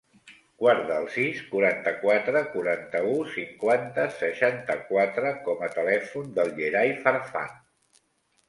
Guarda el sis, quaranta-quatre, quaranta-u, cinquanta, seixanta-quatre com a telèfon del Yeray Farfan.